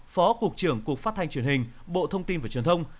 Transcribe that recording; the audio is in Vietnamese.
phó cục trưởng cục phát thanh truyền hình bộ thông tin và truyền thông